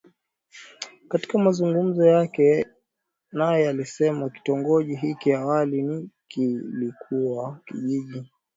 katika mazungumzo yake naye alisema kitongoji hiki awali ni kilikuwa kijiji